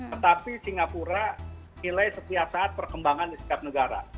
tetapi singapura nilai setiap saat perkembangan di setiap negara